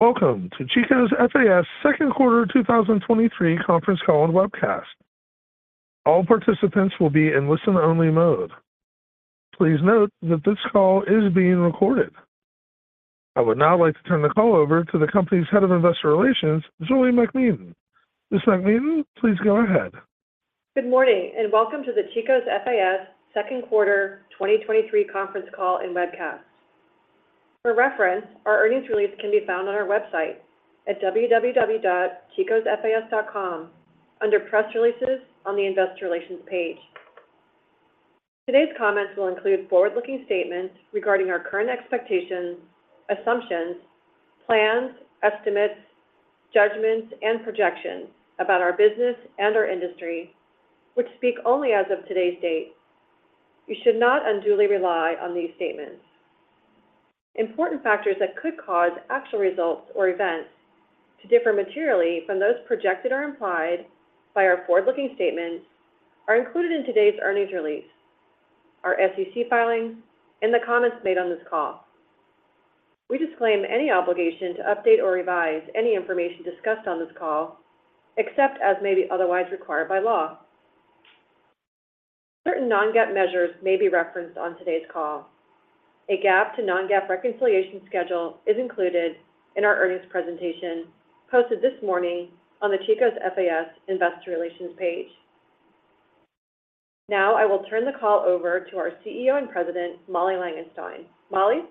Welcome to Chico's FAS second quarter 2023 conference call and webcast. All participants will be in listen-only mode. Please note that this call is being recorded. I would now like to turn the call over to the company's Head of Investor Relations, Julie MacMedan. Ms. MacMedan, please go ahead. Good morning, and welcome to the Chico's FAS second quarter 2023 conference call and webcast. For reference, our earnings release can be found on our website at www.chicosfas.com under Press Releases on the Investor Relations page. Today's comments will include forward-looking statements regarding our current expectations, assumptions, plans, estimates, judgments, and projections about our business and our industry, which speak only as of today's date. You should not unduly rely on these statements. Important factors that could cause actual results or events to differ materially from those projected or implied by our forward-looking statements are included in today's earnings release, our SEC filings, and the comments made on this call. We disclaim any obligation to update or revise any information discussed on this call, except as may be otherwise required by law. Certain non-GAAP measures may be referenced on today's call. A GAAP to non-GAAP reconciliation schedule is included in our earnings presentation posted this morning on the Chico's FAS Investor Relations page. Now, I will turn the call over to our CEO and President, Molly Langenstein. Molly?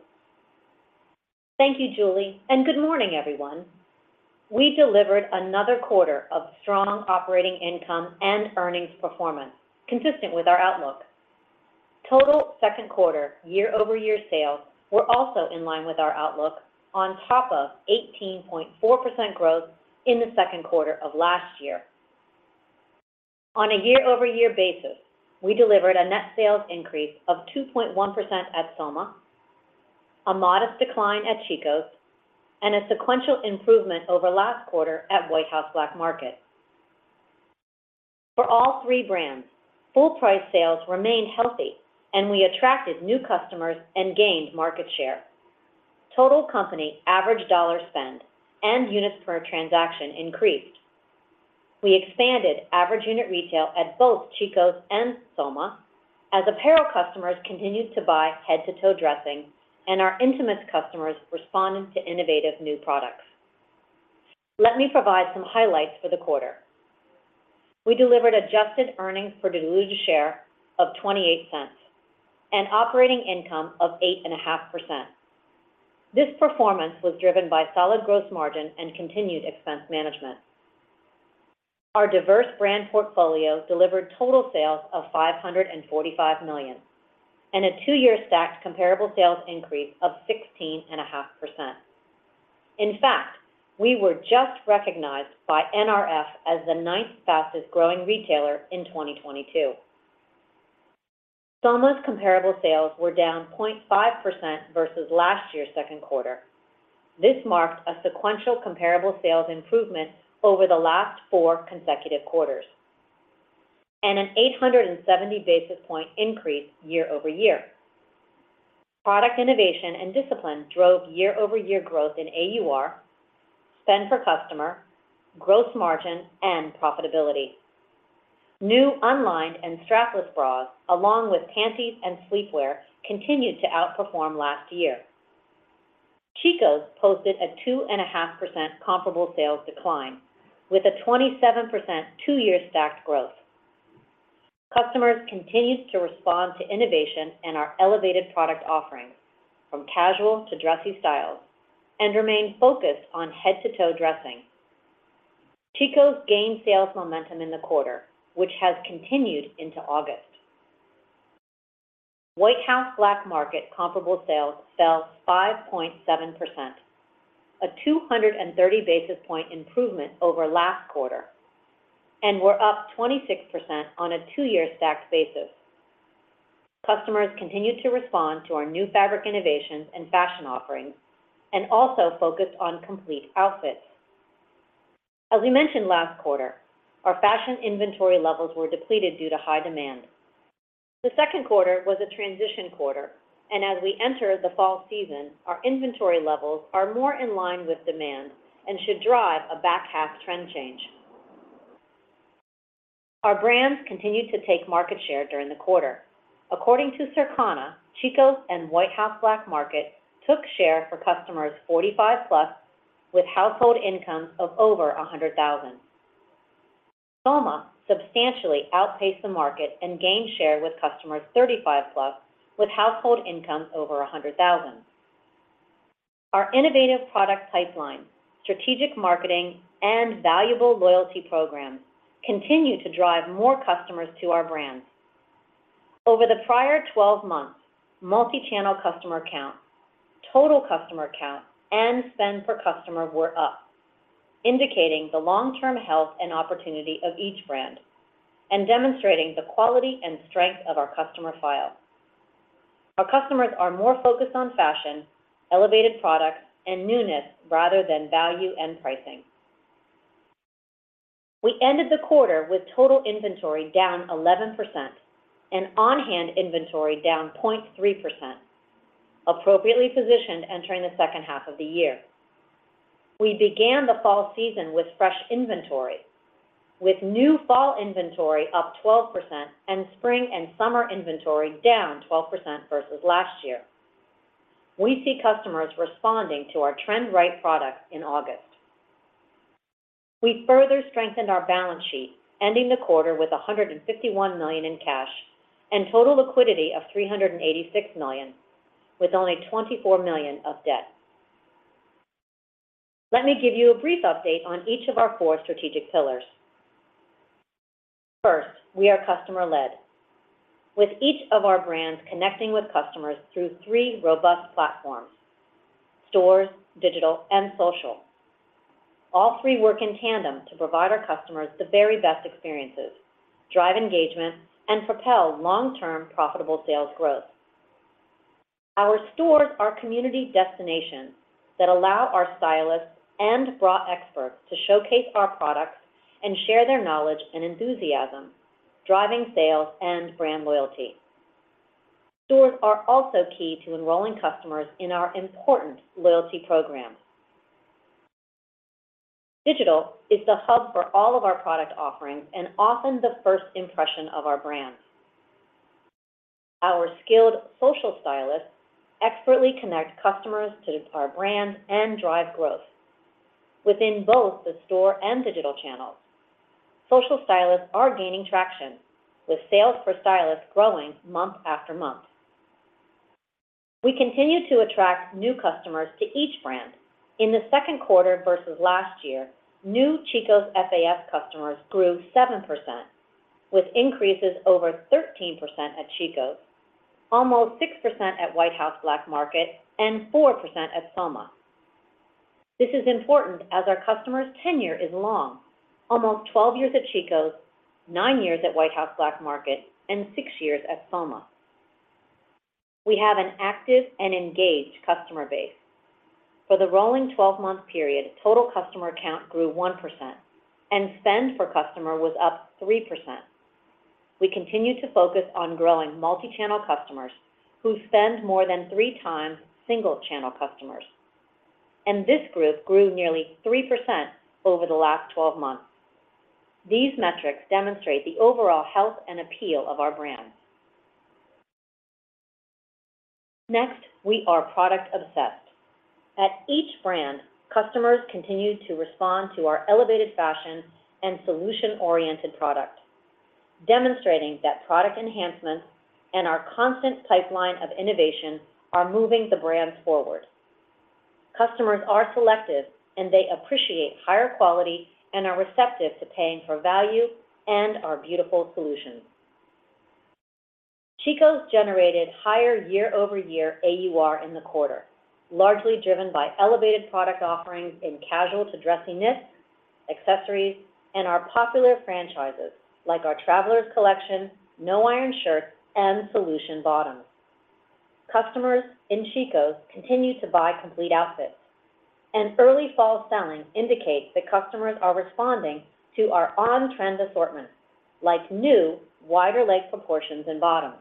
Thank you, Julie, and good morning, everyone. We delivered another quarter of strong operating income and earnings performance, consistent with our outlook. Total second quarter year-over-year sales were also in line with our outlook on top of 18.4% growth in the second quarter of last year. On a year-over-year basis, we delivered a net sales increase of 2.1% at Soma, a modest decline at Chico's, and a sequential improvement over last quarter at White House Black Market. For all three brands, full price sales remained healthy, and we attracted new customers and gained market share. Total company average dollar spend and units per transaction increased. We expanded average unit retail at both Chico's and Soma as apparel customers continued to buy head-to-toe dressing and our intimates customers responded to innovative new products. Let me provide some highlights for the quarter. We delivered adjusted earnings per diluted share of $0.28 and operating income of 8.5%. This performance was driven by solid gross margin and continued expense management. Our diverse brand portfolio delivered total sales of $545 million and a two-year stacked comparable sales increase of 16.5%. In fact, we were just recognized by NRF as the ninth fastest-growing retailer in 2022. Soma's comparable sales were down 0.5% versus last year's second quarter. This marked a sequential comparable sales improvement over the last four consecutive quarters and an 870 basis point increase year-over-year. Product innovation and discipline drove year-over-year growth in AUR, spend per customer, gross margin, and profitability. New Unlined and Strapless Bras, along with Panties and Sleepwear, continued to outperform last year. Chico's posted a 2.5% comparable sales decline, with a 27% two-year stacked growth. Customers continued to respond to innovation and our elevated product offerings, from casual to dressy styles, and remained focused on head-to-toe dressing. Chico's gained sales momentum in the quarter, which has continued into August. White House Black Market comparable sales fell 5.7%, a 230 basis point improvement over last quarter, and were up 26% on a two-year stacked basis. Customers continued to respond to our new fabric innovations and fashion offerings and also focused on complete outfits. As we mentioned last quarter, our fashion inventory levels were depleted due to high demand. The second quarter was a transition quarter, and as we enter the fall season, our inventory levels are more in line with demand and should drive a back-half trend change. Our brands continued to take market share during the quarter. According to Circana, Chico's and White House Black Market took share for customers 45+, with household incomes of over $100,000. Soma substantially outpaced the market and gained share with customers 35+, with household incomes over $100,000. Our innovative product pipeline, strategic marketing, and valuable loyalty programs continue to drive more customers to our brands. Over the prior 12 months, multi-channel customer count, total customer count, and spend per customer were up, indicating the long-term health and opportunity of each brand and demonstrating the quality and strength of our customer file. Our customers are more focused on fashion, elevated products, and newness rather than value and pricing... We ended the quarter with total inventory down 11% and on-hand inventory down 0.3%, appropriately positioned entering the second half of the year. We began the fall season with fresh inventory, with new fall inventory up 12% and spring and summer inventory down 12% versus last year. We see customers responding to our trend-right products in August. We further strengthened our balance sheet, ending the quarter with $151 million in cash and total liquidity of $386 million, with only $24 million of debt. Let me give you a brief update on each of our four strategic pillars. First, we are customer-led, with each of our brands connecting with customers through three robust platforms: Stores, Digital, and Social. All three work in tandem to provide our customers the very best experiences, drive engagement, and propel long-term profitable sales growth. Our stores are community destinations that allow our stylists and bra experts to showcase our products and share their knowledge and enthusiasm, driving sales and brand loyalty. Stores are also key to enrolling customers in our important loyalty programs. Digital is the hub for all of our product offerings and often the first impression of our brands. Our skilled social stylists expertly connect customers to our brands and drive growth within both the store and digital channels. Social stylists are gaining traction, with sales per stylist growing month after month. We continue to attract new customers to each brand. In the second quarter versus last year, new Chico's FAS customers grew 7%, with increases over 13% at Chico's, almost 6% at White House Black Market, and 4% at Soma. This is important as our customers' tenure is long, almost 12 years at Chico's, nine years at White House Black Market, and six years at Soma. We have an active and engaged customer base. For the rolling 12-month period, total customer count grew 1%, and spend per customer was up 3%. We continue to focus on growing multi-channel customers who spend more than three times single-channel customers, and this group grew nearly 3% over the last 12 months. These metrics demonstrate the overall health and appeal of our brands. Next, we are product obsessed. At each brand, customers continue to respond to our elevated fashion and solution-oriented product, demonstrating that product enhancements and our constant pipeline of innovation are moving the brands forward. Customers are selective, and they appreciate higher quality and are receptive to paying for value and our beautiful solutions. Chico's generated higher year-over-year AUR in the quarter, largely driven by elevated product offerings in casual to dressy knits, accessories, and our popular franchises like our Travelers Collection, No Iron Shirts, and Solution Bottoms. Customers in Chico's continue to buy complete outfits, and early fall selling indicates that customers are responding to our on-trend assortment, like new wider leg proportions in bottoms.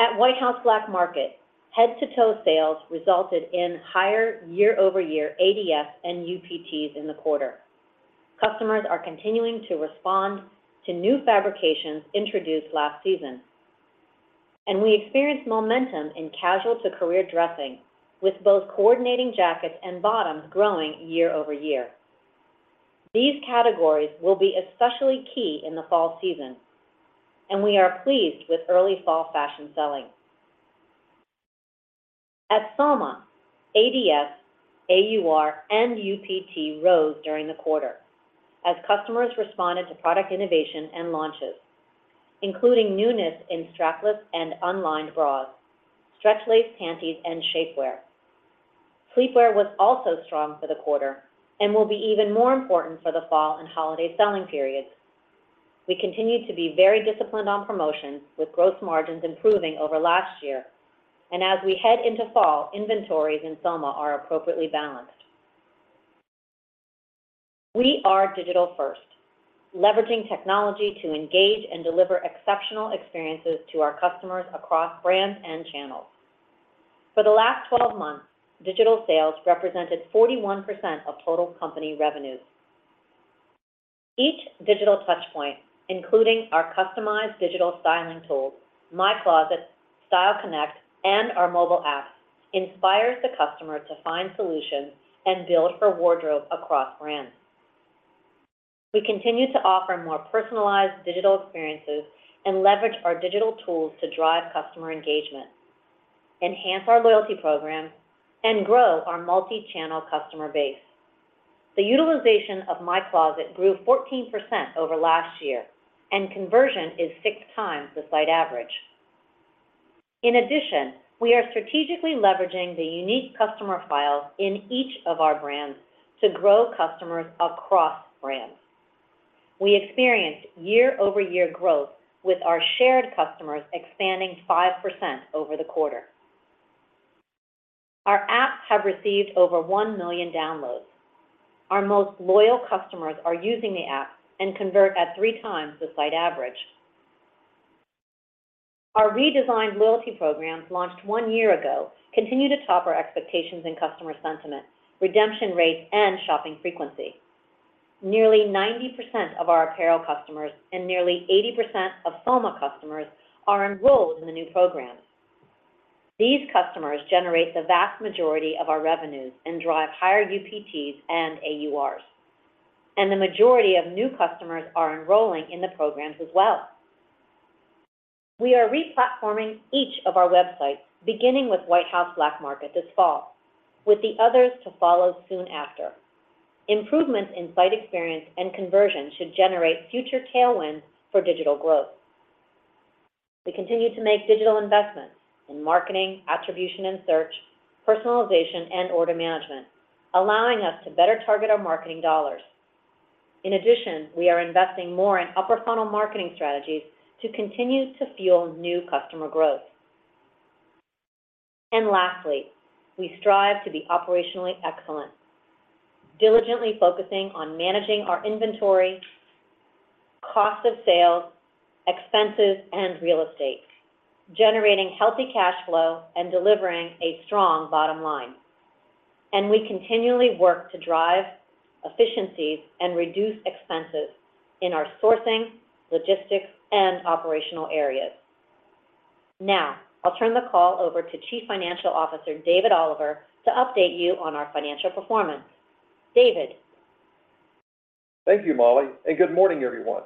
At White House Black Market, head-to-toe sales resulted in higher year-over-year ADS and UPTs in the quarter. Customers are continuing to respond to new fabrications introduced last season, and we experienced momentum in casual to career dressing, with both coordinating jackets and bottoms growing year-over-year. These categories will be especially key in the fall season, and we are pleased with early fall fashion selling. At Soma, ADS, AUR, and UPT rose during the quarter as customers responded to product innovation and launches, including newness in Strapless and Unlined Bras, Stretch Lace Panties, and Shapewear. Sleepwear was also strong for the quarter and will be even more important for the fall and holiday selling periods. We continue to be very disciplined on promotions, with gross margins improving over last year. As we head into fall, inventories in Soma are appropriately balanced. We are digital-first, leveraging technology to engage and deliver exceptional experiences to our customers across brands and channels. For the last 12 months, digital sales represented 41% of total company revenues. Each digital touchpoint, including our customized digital styling tools, My Closet, Style Connect, and our mobile apps, inspires the customer to find solutions and build her wardrobe across brands. We continue to offer more personalized digital experiences and leverage our digital tools to drive customer engagement, enhance our loyalty program, and grow our multi-channel customer base. The utilization of My Closet grew 14% over last year, and conversion is 6x the site average. In addition, we are strategically leveraging the unique customer files in each of our brands to grow customers across brands. We experienced year-over-year growth, with our shared customers expanding 5% over the quarter. Our apps have received over 1 million downloads. Our most loyal customers are using the app and convert at three times the site average. Our redesigned loyalty programs, launched one year ago, continue to top our expectations in customer sentiment, redemption rates, and shopping frequency. Nearly 90% of our apparel customers and nearly 80% of Soma customers are enrolled in the new programs. These customers generate the vast majority of our revenues and drive higher UPTs and AURs, and the majority of new customers are enrolling in the programs as well. We are re-platforming each of our websites, beginning with White House Black Market this fall, with the others to follow soon after. Improvements in site experience and conversion should generate future tailwinds for digital growth. We continue to make digital investments in marketing, attribution and search, personalization, and order management, allowing us to better target our marketing dollars. In addition, we are investing more in upper funnel marketing strategies to continue to fuel new customer growth. And lastly, we strive to be operationally excellent, diligently focusing on managing our inventory, cost of sales, expenses, and real estate, generating healthy cash flow and delivering a strong bottom line. And we continually work to drive efficiencies and reduce expenses in our sourcing, logistics, and operational areas. Now, I'll turn the call over to Chief Financial Officer, David Oliver, to update you on our financial performance. David? Thank you, Molly, and good morning, everyone.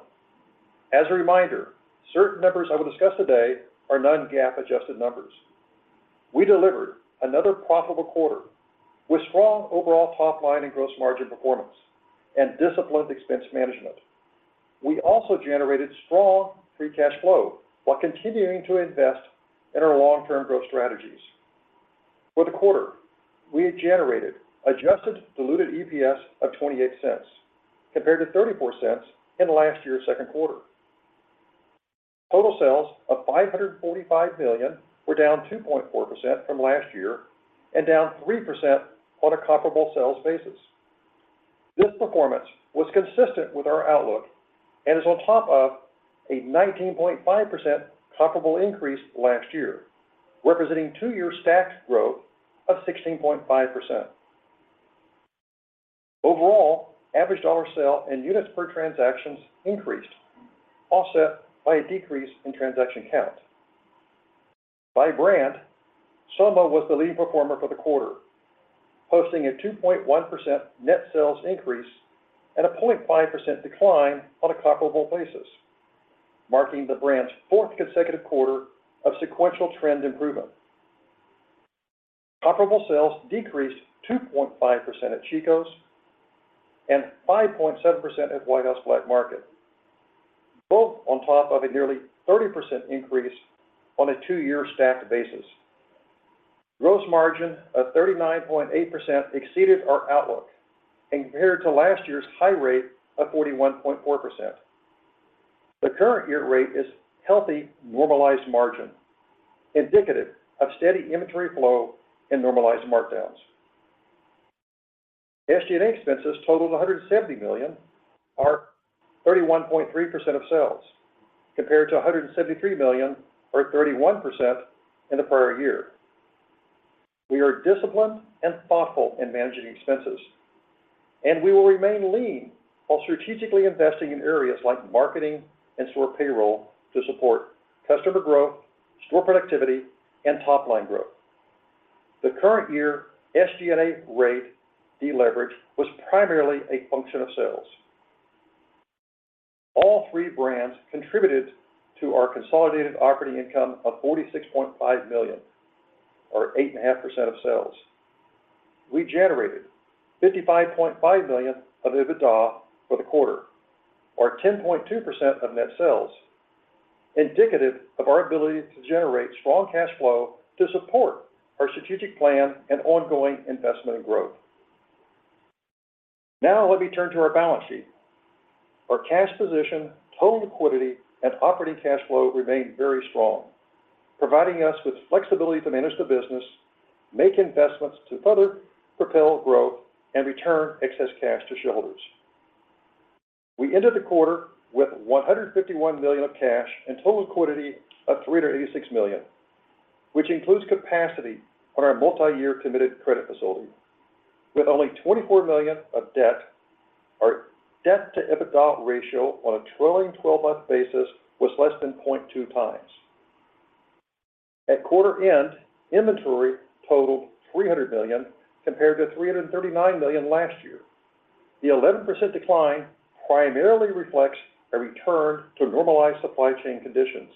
As a reminder, certain numbers I will discuss today are non-GAAP adjusted numbers. We delivered another profitable quarter with strong overall top line and gross margin performance and disciplined expense management. We also generated strong free cash flow while continuing to invest in our long-term growth strategies. For the quarter, we had generated adjusted diluted EPS of $0.28 compared to $0.34 in last year's second quarter. Total sales of $545 million were down 2.4% from last year and down 3% on a comparable sales basis. This performance was consistent with our outlook and is on top of a 19.5% comparable increase last year, representing two-year stacked growth of 16.5%. Overall, average dollar sale and units per transactions increased, offset by a decrease in transaction count. By brand, Soma was the lead performer for the quarter, posting a 2.1% net sales increase and a 0.5% decline on a comparable basis, marking the brand's fourth consecutive quarter of sequential trend improvement. Comparable sales decreased 2.5% at Chico's and 5.7% at White House Black Market, both on top of a nearly 30% increase on a two-year stacked basis. Gross margin of 39.8% exceeded our outlook and compared to last year's high rate of 41.4%. The current year rate is healthy, normalized margin, indicative of steady inventory flow and normalized markdowns. SG&A expenses totaled $170 million, or 31.3% of sales, compared to $173 million or 31% in the prior year. We are disciplined and thoughtful in managing expenses, and we will remain lean while strategically investing in areas like marketing and store payroll to support customer growth, store productivity, and top-line growth. The current year SG&A rate deleverage was primarily a function of sales. All three brands contributed to our consolidated operating income of $46.5 million, or 8.5% of sales. We generated $55.5 million of EBITDA for the quarter, or 10.2% of net sales, indicative of our ability to generate strong cash flow to support our strategic plan and ongoing investment and growth. Now, let me turn to our balance sheet. Our cash position, total liquidity, and operating cash flow remained very strong, providing us with flexibility to manage the business, make investments to further propel growth, and return excess cash to shareholders. We ended the quarter with $151 million of cash and total liquidity of $386 million, which includes capacity on our multi-year committed credit facility. With only $24 million of debt, our debt-to-EBITDA ratio on a trailing 12-month basis was less than 0.2x. At quarter end, inventory totaled $300 million, compared to $339 million last year. The 11% decline primarily reflects a return to normalized supply chain conditions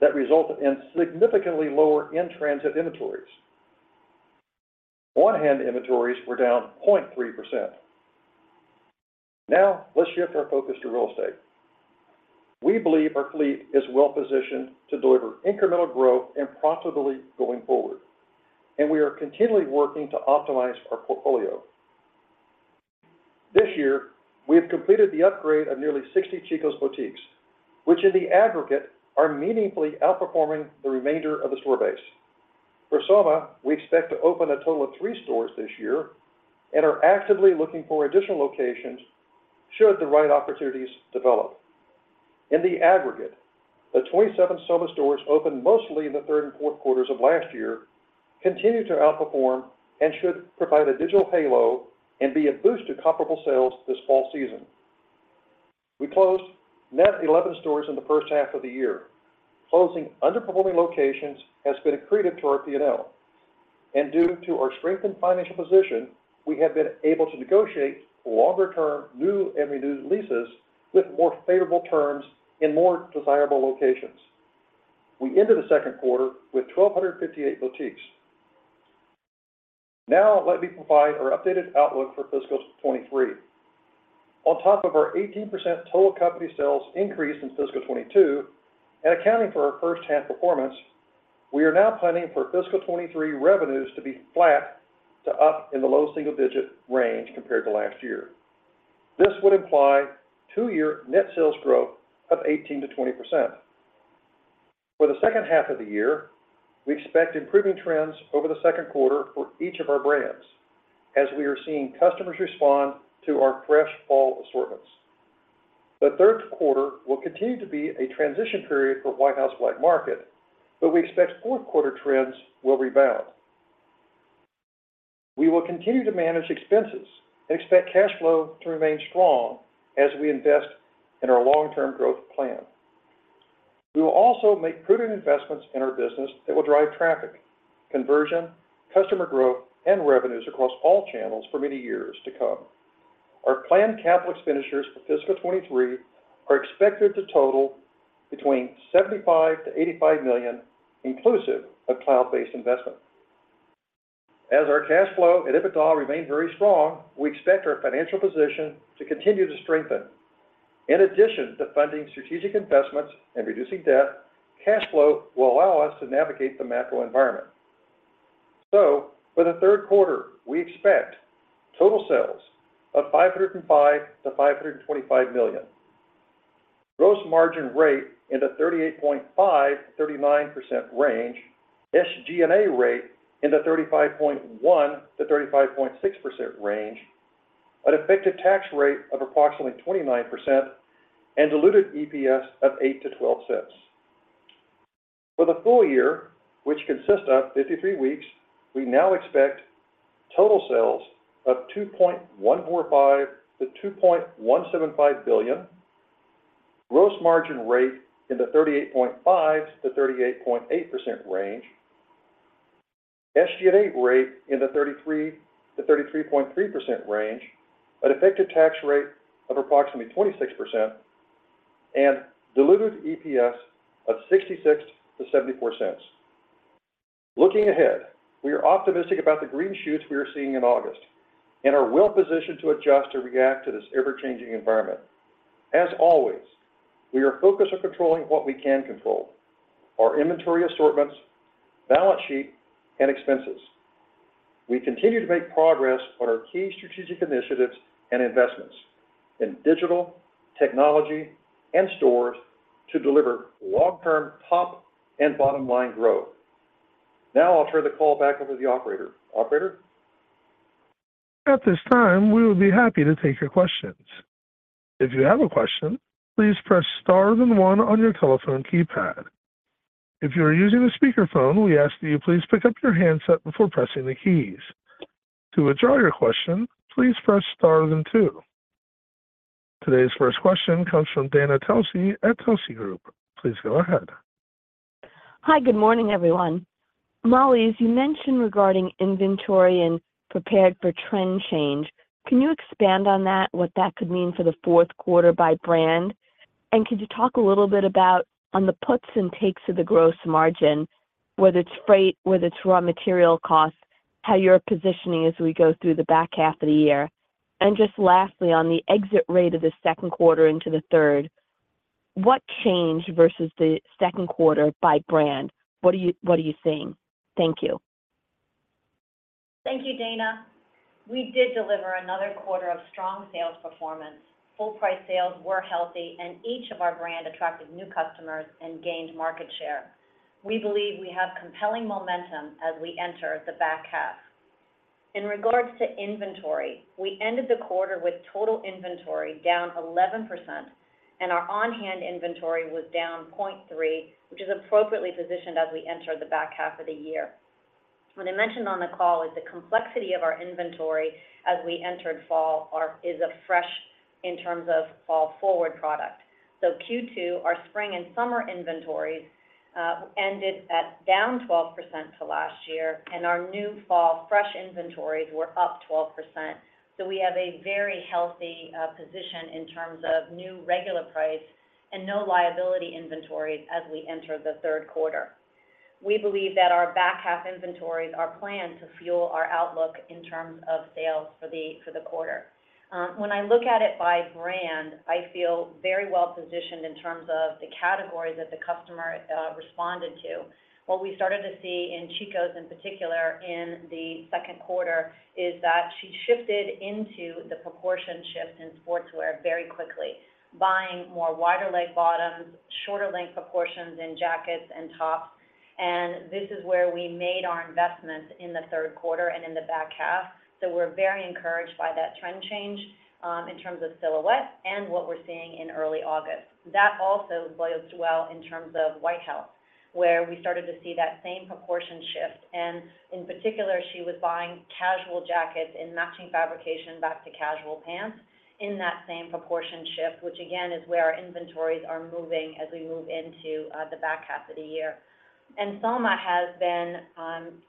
that resulted in significantly lower in-transit inventories. On-hand inventories were down 0.3%. Now, let's shift our focus to real estate. We believe our fleet is well positioned to deliver incremental growth and profitably going forward, and we are continually working to optimize our portfolio. This year, we have completed the upgrade of nearly 60 Chico's boutiques, which in the aggregate, are meaningfully outperforming the remainder of the store base. For Soma, we expect to open a total of three stores this year and are actively looking for additional locations should the right opportunities develop. In the aggregate, the 27 Soma stores opened mostly in the third and fourth quarters of last year, continue to outperform and should provide a digital halo and be a boost to comparable sales this fall season. We closed net 11 stores in the first half of the year. Closing underperforming locations has been accretive to our P&L, and due to our strengthened financial position, we have been able to negotiate longer-term, new and renewed leases with more favorable terms in more desirable locations. We ended the second quarter with 1,258 boutiques. Now, let me provide our updated outlook for fiscal 2023. On top of our 18% total company sales increase in fiscal 2022, and accounting for our first-hand performance, we are now planning for fiscal 2023 revenues to be flat to up in the low single-digit range compared to last year. This would imply two-year net sales growth of 18%-20%. For the second half of the year, we expect improving trends over the second quarter for each of our brands, as we are seeing customers respond to our fresh fall assortments. The third quarter will continue to be a transition period for White House Black Market, but we expect fourth quarter trends will rebound. We will continue to manage expenses and expect cash flow to remain strong as we invest in our long-term growth plan. We will also make prudent investments in our business that will drive traffic, conversion, customer growth, and revenues across all channels for many years to come. Our planned capital expenditures for fiscal 2023 are expected to total between $75 million-$85 million, inclusive of cloud-based investment. As our cash flow and EBITDA remain very strong, we expect our financial position to continue to strengthen. In addition to funding strategic investments and reducing debt, cash flow will allow us to navigate the macro environment. So for the third quarter, we expect total sales of $505 million-$525 million. Gross margin rate in the 38.5%-39% range, SG&A rate in the 35.1%-35.6% range, an effective tax rate of approximately 29%, and diluted EPS of $0.08-$0.12. For the full year, which consists of 53 weeks, we now expect total sales of $2.145 billion-$2.175 billion, gross margin rate in the 38.5%-38.8% range, SG&A rate in the 33%-33.3% range, an effective tax rate of approximately 26%, and diluted EPS of $0.66-$0.74. Looking ahead, we are optimistic about the green shoots we are seeing in August and are well positioned to adjust and react to this ever-changing environment. As always, we are focused on controlling what we can control: our inventory assortments, balance sheet, and expenses. We continue to make progress on our key strategic initiatives and investments in digital, technology, and stores to deliver long-term top and bottom-line growth. Now, I'll turn the call back over to the operator. Operator? At this time, we would be happy to take your questions. If you have a question, please press star then one on your telephone keypad. If you are using a speakerphone, we ask that you please pick up your handset before pressing the keys. To withdraw your question, please press star then two. Today's first question comes from Dana Telsey at Telsey Group. Please go ahead. Hi, good morning, everyone. Molly, as you mentioned regarding inventory and prepared for trend change, can you expand on that, what that could mean for the fourth quarter by brand? And could you talk a little bit about on the puts and takes of the gross margin, whether it's freight, whether it's raw material costs, how you're positioning as we go through the back half of the year. And just lastly, on the exit rate of the second quarter into the third, what changed versus the second quarter by brand? What are you, what are you seeing? Thank you. Thank you, Dana. We did deliver another quarter of strong sales performance. Full price sales were healthy, and each of our brand attracted new customers and gained market share. We believe we have compelling momentum as we enter the back half. In regards to inventory, we ended the quarter with total inventory down 11%, and our on-hand inventory was down 0.3, which is appropriately positioned as we enter the back half of the year. What I mentioned on the call is the complexity of our inventory as we entered fall is a fresh in terms of fall forward product. So Q2, our spring and summer inventories ended at down 12% to last year, and our new fall fresh inventories were up 12%. So we have a very healthy position in terms of new regular price and no liability inventories as we enter the third quarter. We believe that our back half inventories are planned to fuel our outlook in terms of sales for the quarter. When I look at it by brand, I feel very well positioned in terms of the categories that the customer responded to. What we started to see in Chico's, in particular, in the second quarter, is that she shifted into the proportion shift in sportswear very quickly, buying more wider leg bottoms, shorter length proportions in Jackets and Tops. And this is where we made our investments in the third quarter and in the back half. So we're very encouraged by that trend change in terms of silhouette and what we're seeing in early August. That also bodes well in terms of White House, where we started to see that same proportion shift. In particular, she was buying casual jackets in matching fabrication back to casual pants in that same proportion shift, which again, is where our inventories are moving as we move into the back half of the year. Soma has been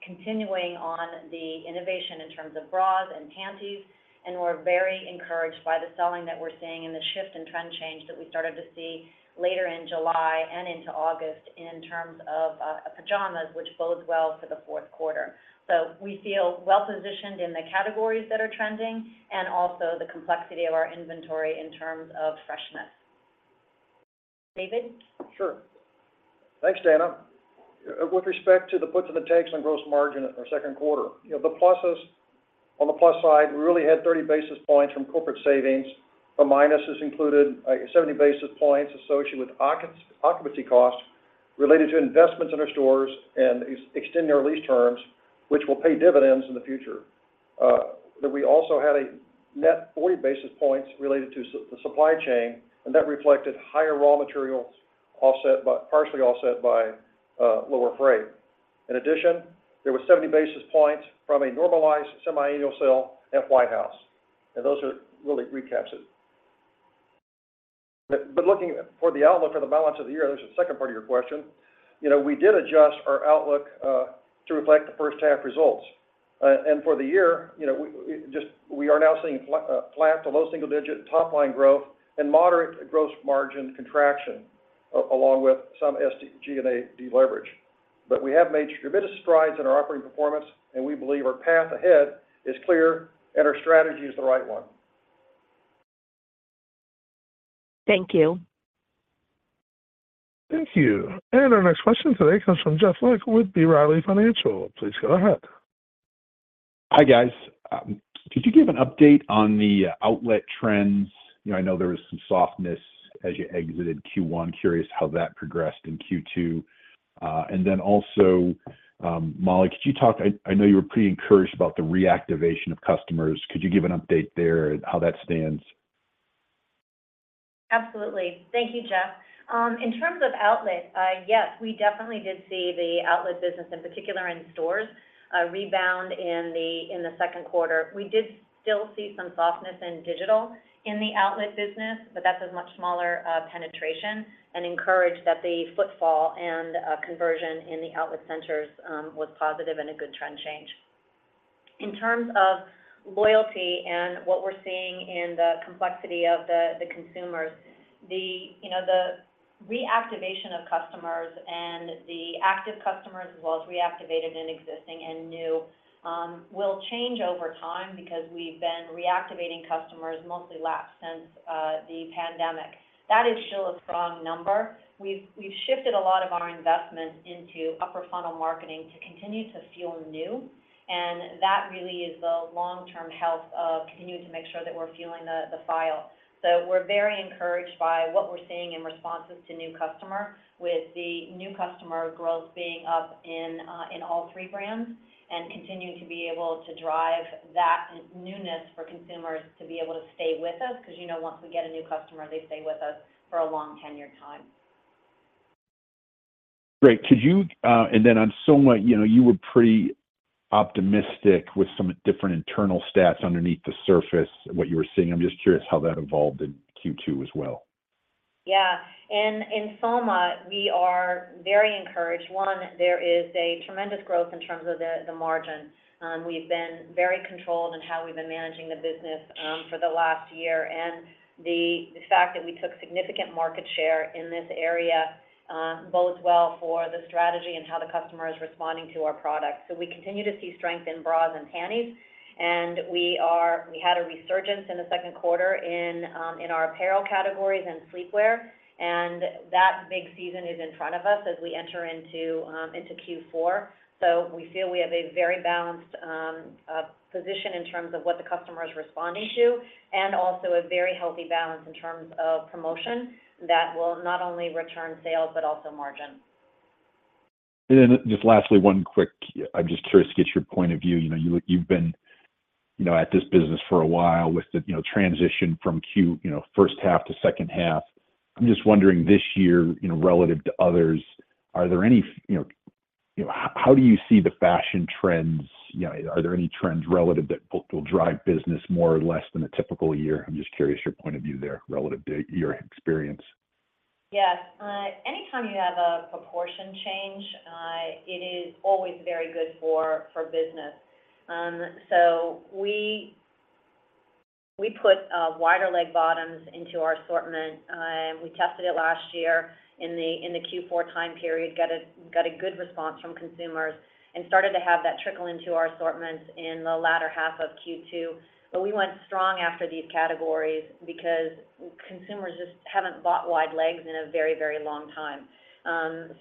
continuing on the innovation in terms of Bras and Panties, and we're very encouraged by the selling that we're seeing and the shift in trend change that we started to see later in July and into August in terms of Pajamas, which bodes well for the fourth quarter. We feel well positioned in the categories that are trending and also the complexity of our inventory in terms of freshness. David? Sure. Thanks, Dana. With respect to the puts and the takes on gross margin in our second quarter, you know, the pluses. On the plus side, we really had 30 basis points from corporate savings. The minuses included 70 basis points associated with occupancy costs related to investments in our stores and extending our lease terms, which will pay dividends in the future. But we also had a net 40 basis points related to the supply chain, and that reflected higher raw materials, partially offset by lower freight. In addition, there were 70 basis points from a normalized semiannual sale at White House, and that really recaps it. But looking for the outlook for the balance of the year, there's a second part of your question. You know, we did adjust our outlook to reflect the first half results. And for the year, you know, we are now seeing flat to low single-digit top-line growth and moderate gross margin contraction, along with some SG&A deleverage. But we have made tremendous strides in our operating performance, and we believe our path ahead is clear and our strategy is the right one. Thank you. Thank you. Our next question today comes from Jeff Van Sinderen with B. Riley Securities. Please go ahead. Hi, guys. Could you give an update on the outlet trends? You know, I know there was some softness as you exited Q1. Curious how that progressed in Q2. And then also, Molly, could you talk... I know you were pretty encouraged about the reactivation of customers. Could you give an update there on how that stands? Absolutely. Thank you, Jeff. In terms of outlet, yes, we definitely did see the outlet business, in particular in stores, rebound in the second quarter. We did still see some softness in digital in the outlet business, but that's a much smaller penetration and encouraged that the footfall and conversion in the outlet centers was positive and a good trend change. In terms of loyalty and what we're seeing in the complexity of the consumers, you know, the reactivation of customers and the active customers, as well as reactivated and existing and new, will change over time because we've been reactivating customers, mostly lapsed, since the pandemic. That is still a strong number. We've shifted a lot of our investment into upper funnel marketing to continue to feel new, and that really is the long-term health of continuing to make sure that we're fueling the file. So we're very encouraged by what we're seeing in responses to new customer, with the new customer growth being up in all three brands, and continuing to be able to drive that newness for consumers to be able to stay with us. Because, you know, once we get a new customer, they stay with us for a long tenure time. Great. Could you... And then on Soma, you know, you were pretty optimistic with some different internal stats underneath the surface, what you were seeing. I'm just curious how that evolved in Q2 as well. Yeah. In Soma, we are very encouraged. One, there is a tremendous growth in terms of the margin. We've been very controlled in how we've been managing the business for the last year, and the fact that we took significant market share in this area bodes well for the strategy and how the customer is responding to our products. So we continue to see strength in bras and panties, and we had a resurgence in the second quarter in our apparel categories and Sleepwear, and that big season is in front of us as we enter into Q4. So we feel we have a very balanced position in terms of what the customer is responding to, and also a very healthy balance in terms of promotion that will not only return sales, but also margin. And then just lastly, one quick... I'm just curious to get your point of view. You know, you, you've been, you know, at this business for a while with the, you know, transition from Q, you know, first half to second half. I'm just wondering, this year, you know, relative to others, are there any, you know, you know, how do you see the fashion trends? You know, are there any trends relative that will, will drive business more or less than a typical year? I'm just curious your point of view there, relative to your experience. Yes. Anytime you have a proportion change, it is always very good for, for business. So we put wider leg bottoms into our assortment. We tested it last year in the Q4 time period, got a good response from consumers and started to have that trickle into our assortments in the latter half of Q2. But we went strong after these categories because consumers just haven't bought wide legs in a very, very long time.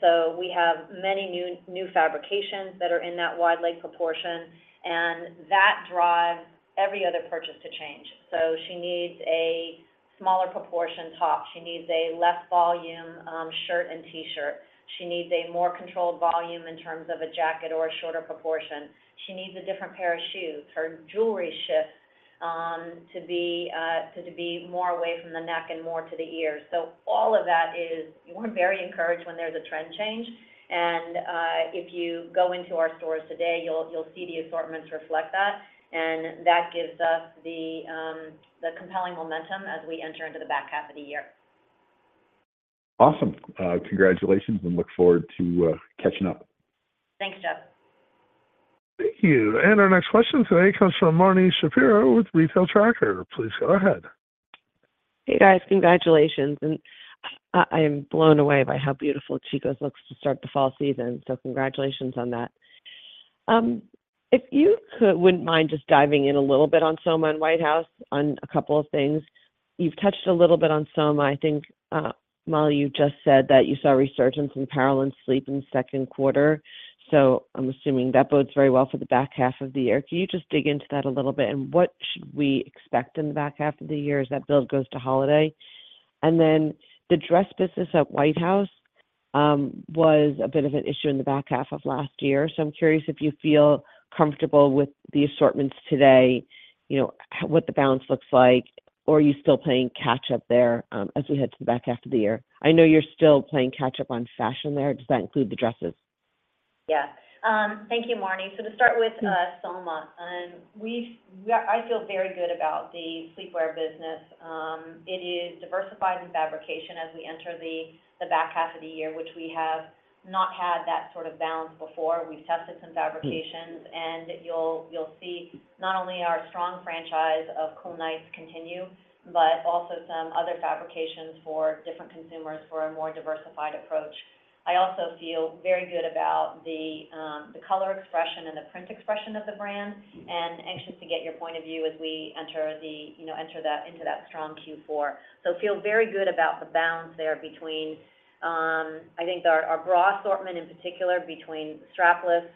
So we have many new fabrications that are in that wide leg proportion, and that drives every other purchase to change. So she needs a smaller proportion top. She needs a less volume shirt and T-shirt. She needs a more controlled volume in terms of a jacket or a shorter proportion. She needs a different pair of shoes. Her jewelry shifts to be more away from the neck and more to the ears. So all of that is... We're very encouraged when there's a trend change, and if you go into our stores today, you'll see the assortments reflect that, and that gives us the compelling momentum as we enter into the back half of the year. Awesome. Congratulations, and look forward to catching up. Thanks, Jeff. Thank you. Our next question today comes from Marni Shapiro with Retail Tracker. Please go ahead. Hey, guys. Congratulations, and I am blown away by how beautiful Chico's looks to start the fall season. So congratulations on that. If you wouldn't mind just diving in a little bit on Soma and White House on a couple of things. You've touched a little bit on Soma. I think, Molly, you just said that you saw a resurgence in apparel and sleep in the second quarter, so I'm assuming that bodes very well for the back half of the year. Can you just dig into that a little bit, and what should we expect in the back half of the year as that build goes to holiday? And then the dress business at White House was a bit of an issue in the back half of last year, so I'm curious if you feel comfortable with the assortments today, you know, what the balance looks like, or are you still playing catch up there, as we head to the back half of the year? I know you're still playing catch up on fashion there. Does that include the dresses? Yeah. Thank you, Marni. So to start with, Soma, we've—I feel very good about the sleepwear business. It is diversified in fabrication as we enter the back half of the year, which we have not had that sort of balance before. We've tested some fabrications— Mm-hmm. -and you'll, you'll see not only our strong franchise of Cool Nights continue, but also some other fabrications for different consumers for a more diversified approach. I also feel very good about the color expression and the print expression of the brand, and anxious to get your point of view as we enter that, you know, into that strong Q4. So feel very good about the balance there between, I think our bra assortment in particular, between strapless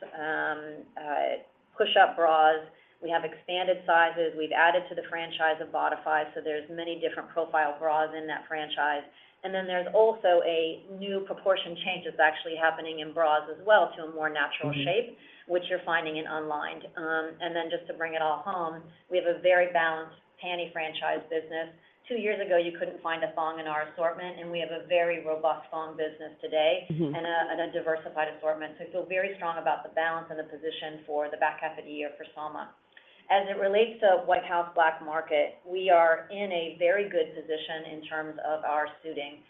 push-up bras. We have expanded sizes. We've added to the franchise of Bodify, so there's many different profile bras in that franchise. And then there's also a new proportion change that's actually happening in bras as well, to a more natural shape- Mm-hmm. -which you're finding in online. And then just to bring it all home, we have a very balanced panty franchise business. Two years ago, you couldn't find a thong in our assortment, and we have a very robust thong business today- Mm-hmm. and a diversified assortment. So I feel very strong about the balance and the position for the back half of the year for Soma. As it relates to White House Black Market, we are in a very good position in terms of our suiting.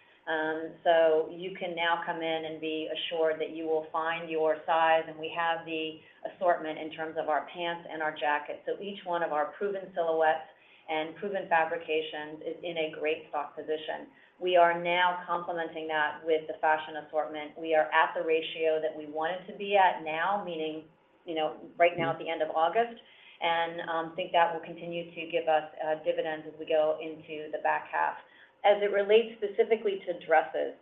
So you can now come in and be assured that you will find your size, and we have the assortment in terms of our pants and our jackets. So each one of our proven silhouettes and proven fabrications is in a great stock position. We are now complementing that with the fashion assortment. We are at the ratio that we wanted to be at now, meaning, you know, right now at the end of August, and think that will continue to give us dividends as we go into the back half. As it relates specifically to dresses,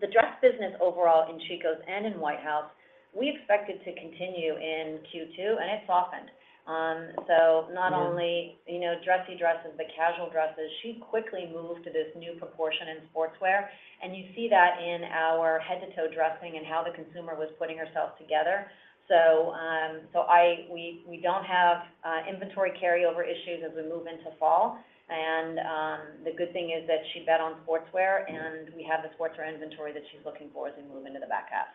the dress business overall in Chico's and in White House, we expect it to continue in Q2, and it softened. So not only- Mm-hmm. You know, dressy dresses, but casual dresses, she quickly moved to this new proportion in sportswear, and you see that in our head-to-toe dressing and how the consumer was putting herself together. So, we don't have inventory carryover issues as we move into fall. And, the good thing is that she bet on sportswear, and we have the sportswear inventory that she's looking for as we move into the back half.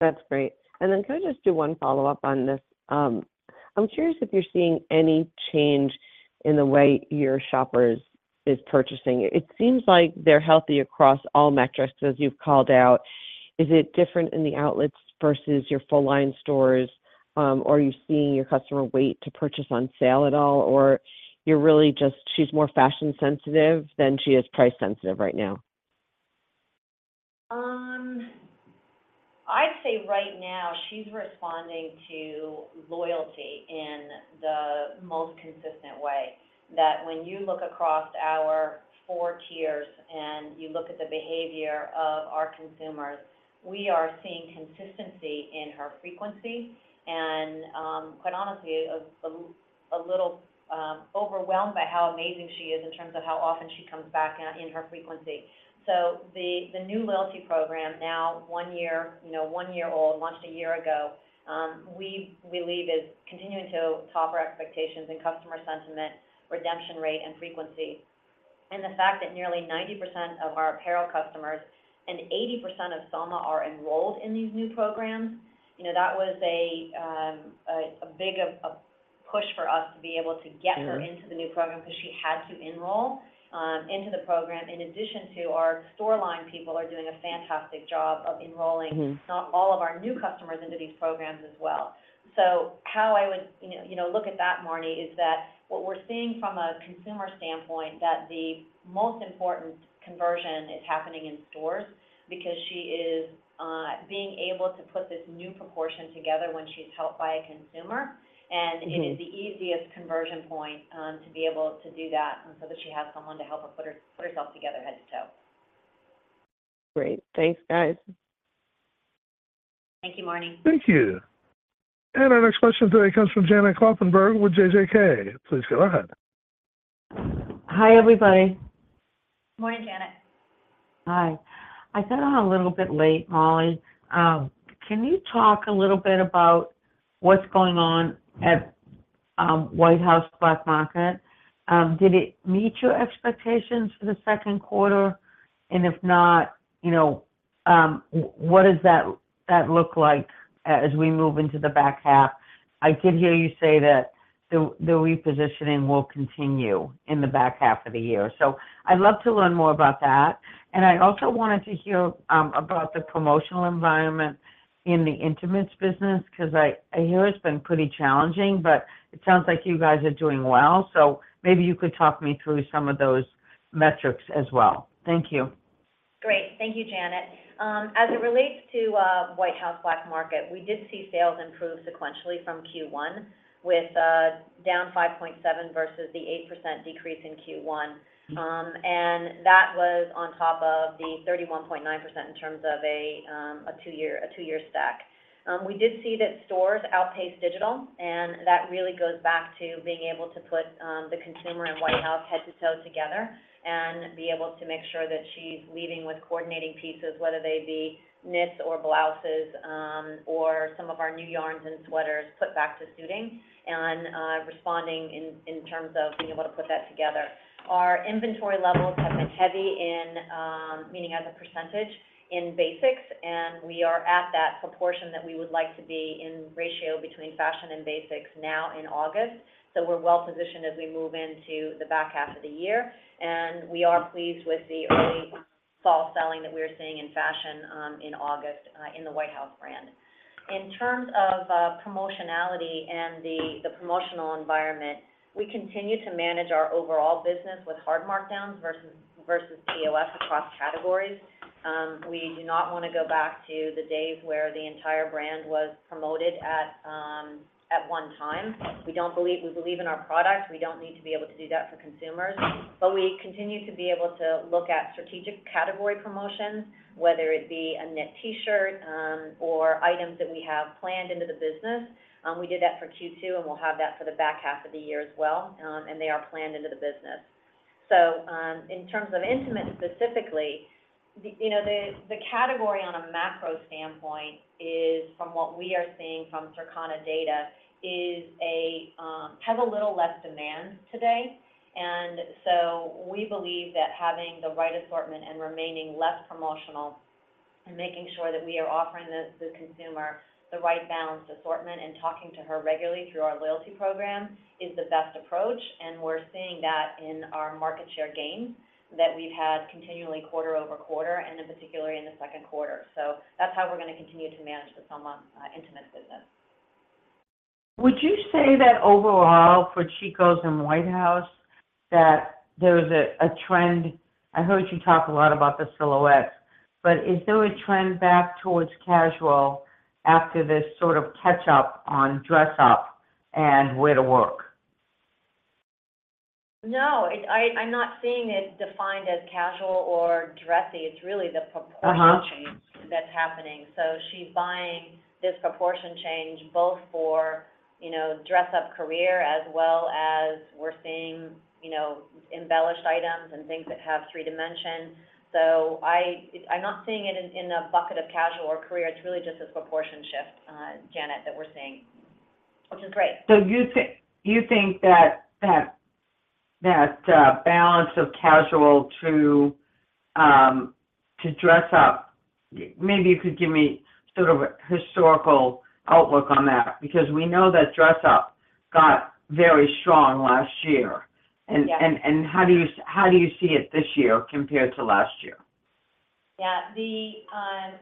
That's great. And then can I just do one follow-up on this? I'm curious if you're seeing any change in the way your shoppers is purchasing. It seems like they're healthy across all metrics, as you've called out. Is it different in the outlets versus your full-line stores? Are you seeing your customer wait to purchase on sale at all, or you're really just, she's more fashion sensitive than she is price sensitive right now? I'd say right now she's responding to loyalty in the most consistent way, that when you look across our four tiers and you look at the behavior of our consumers, we are seeing consistency in her frequency and, quite honestly, a little overwhelmed by how amazing she is in terms of how often she comes back in her frequency. So the new loyalty program, now one year, you know, one year old, launched a year ago, we believe is continuing to top our expectations in customer sentiment, redemption rate, and frequency. And the fact that nearly 90% of our apparel customers-... and 80% of Soma are enrolled in these new programs. You know, that was a big of a push for us to be able to get- Mm-hmm her into the new program because she had to enroll into the program. In addition to our store line, people are doing a fantastic job of enrolling- Mm-hmm all of our new customers into these programs as well. So how I would, you know, you know, look at that, Marni, is that what we're seeing from a consumer standpoint, that the most important conversion is happening in stores because she is being able to put this new proportion together when she's helped by a consumer. Mm-hmm. It is the easiest conversion point to be able to do that, and so that she has someone to help her put herself together head to toe. Great. Thanks, guys. Thank you, Marni. Thank you. And our next question today comes from Janet Kloppenburg with JJK. Please go ahead. Hi, everybody. Morning, Janet. Hi. I got on a little bit late, Molly. Can you talk a little bit about what's going on at White House Black Market? Did it meet your expectations for the second quarter? And if not, you know, what does that look like as we move into the back half? I did hear you say that the repositioning will continue in the back half of the year, so I'd love to learn more about that. And I also wanted to hear about the promotional environment in the intimates business, 'cause I hear it's been pretty challenging, but it sounds like you guys are doing well. So maybe you could talk me through some of those metrics as well. Thank you. Great. Thank you, Janet. As it relates to White House Black Market, we did see sales improve sequentially from Q1 with down 5.7% versus the 8% decrease in Q1. Mm-hmm. And that was on top of the 31.9% in terms of a two-year stack. We did see that stores outpaced digital, and that really goes back to being able to put the consumer- Mm-hmm... in White House head to toe together and be able to make sure that she's leaving with coordinating pieces, whether they be knits or blouses, or some of our new yarns and sweaters put back to suiting and, responding in terms of being able to put that together. Our inventory levels have been heavy in, meaning as a percentage, in basics, and we are at that proportion that we would like to be in ratio between fashion and basics now in August. So we're well positioned as we move into the back half of the year, and we are pleased with the early fall selling that we're seeing in fashion, in August, in the White House brand. In terms of promotionality and the promotional environment, we continue to manage our overall business with hard markdowns versus POS across categories. We do not want to go back to the days where the entire brand was promoted at, at one time. We don't believe. We believe in our products. We don't need to be able to do that for consumers. But we continue to be able to look at strategic category promotions, whether it be a knit T-shirt, or items that we have planned into the business. We did that for Q2, and we'll have that for the back half of the year as well, and they are planned into the business. So, in terms of intimates, specifically, you know, the category on a macro standpoint is, from what we are seeing from Circana data, a have a little less demand today. We believe that having the right assortment and remaining less promotional and making sure that we are offering the consumer the right balanced assortment and talking to her regularly through our loyalty program is the best approach. We're seeing that in our market share gains that we've had continually quarter-over-quarter and in particular in the second quarter. That's how we're going to continue to manage the Soma intimate business. Would you say that overall for Chico's and White House, that there is a trend? I heard you talk a lot about the silhouettes, but is there a trend back towards casual after this sort of catch up on dress up and wear to work? No, I'm not seeing it defined as casual or dressy. It's really the proportion- Uh-huh... change that's happening. So she's buying this proportion change both for, you know, dress up career, as well as we're seeing, you know, embellished items and things that have three dimensions. So I'm not seeing it in a bucket of casual or career. It's really just a proportion shift, Janet, that we're seeing, which is great. So you think that balance of casual to dress up, maybe you could give me sort of a historical outlook on that, because we know that dress up got very strong last year? Yes. And how do you see it this year compared to last year? Yeah. The,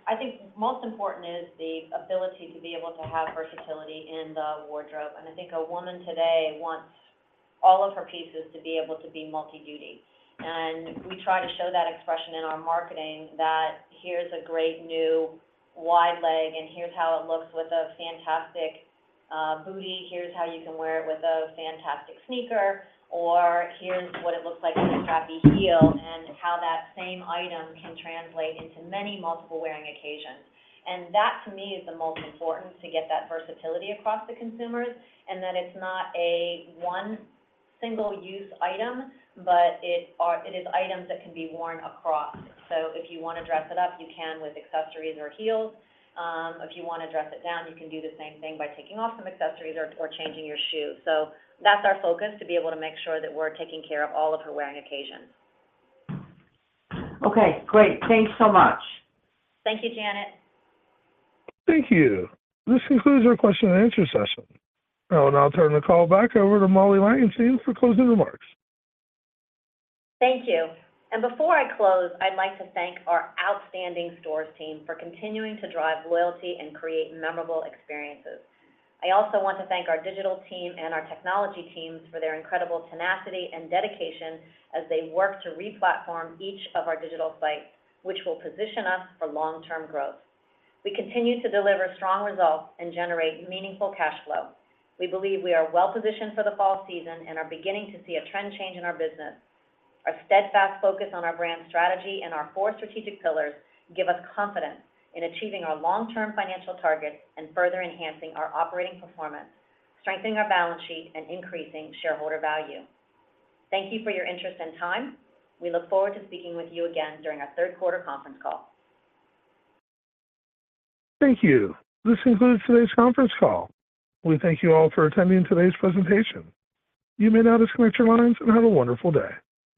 I think most important is the ability to be able to have versatility in the wardrobe. And I think a woman today wants all of her pieces to be able to be multi-duty. And we try to show that expression in our marketing, that here's a great new wide leg, and here's how it looks with a fantastic, bootie. Here's how you can wear it with a fantastic sneaker, or here's what it looks like with a strappy heel, and how that same item can translate into many multiple wearing occasions. And that, to me, is the most important, to get that versatility across the consumers, and that it's not a one single-use item, but it is items that can be worn across. So if you want to dress it up, you can with accessories or heels. If you want to dress it down, you can do the same thing by taking off some accessories or, or changing your shoes. So that's our focus, to be able to make sure that we're taking care of all of her wearing occasions. Okay, great. Thanks so much. Thank you, Janet. Thank you. This concludes our question and answer session. I will now turn the call back over to Molly Langenstein for closing remarks. Thank you. Before I close, I'd like to thank our outstanding stores team for continuing to drive loyalty and create memorable experiences. I also want to thank our digital team and our technology teams for their incredible tenacity and dedication as they work to re-platform each of our digital sites, which will position us for long-term growth. We continue to deliver strong results and generate meaningful cash flow. We believe we are well positioned for the fall season and are beginning to see a trend change in our business. Our steadfast focus on our brand strategy and our four strategic pillars give us confidence in achieving our long-term financial targets and further enhancing our operating performance, strengthening our balance sheet, and increasing shareholder value. Thank you for your interest and time. We look forward to speaking with you again during our third quarter conference call. Thank you. This concludes today's conference call. We thank you all for attending today's presentation. You may now disconnect your lines and have a wonderful day.